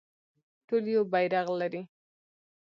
ټول یو بیرغ لري